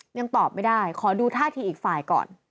ยังตอบไม่ได้ขอดูท่าทีอีกฝ่ายก่อน